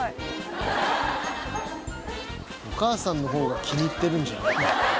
お母さんの方が気に入ってるんじゃない？